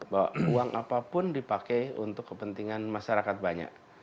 bahwa uang apapun dipakai untuk kepentingan masyarakat banyak